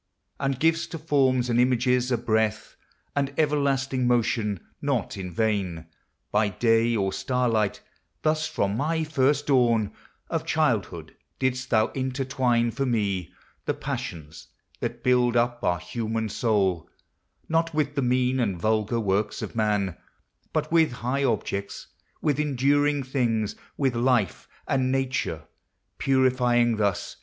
And giv'st to forms and images a breath And everlasting motion ! not in vain, By day or star light, thus from my first dawn Of childhood didst thou intertwine for me The passions that build up our human soul — Not with the mean and vulgar works of Man, But with high objects, with enduring things, "With Life and Nature; purifying thus NATURE'S INFLUENCE.